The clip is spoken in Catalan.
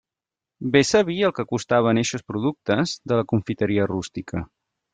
Bé sabia el que costaven eixos productes de la confiteria rústica.